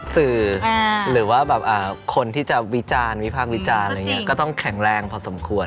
สื่อหรือว่าแบบคนที่จะวิจารณ์วิพากษ์วิจารณ์อะไรอย่างนี้ก็ต้องแข็งแรงพอสมควร